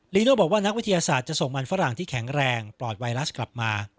โน่บอกว่านักวิทยาศาสตร์จะส่งมันฝรั่งที่แข็งแรงปลอดไวรัสกลับมา